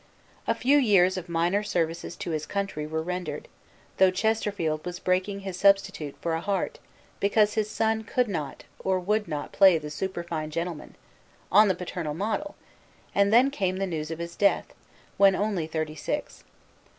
A few years of minor services to his country were rendered, though Chesterfield was breaking his substitute for a heart because his son could not or would not play the superfine gentleman on the paternal model, and then came the news of his death, when only thirty six.